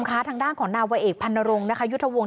คุณผู้ชมคะทางด้านของนาวะเอกพันนรงค์ยุทธวงศ์